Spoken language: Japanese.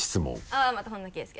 あぁまた本田圭佑。